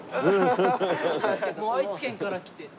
愛知県から来て。